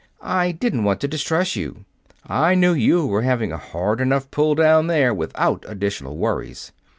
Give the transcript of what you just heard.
"I didn't want to distress you. I knew you were having a hard enough pull down there without additional worries.